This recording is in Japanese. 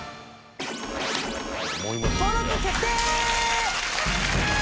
登録決定！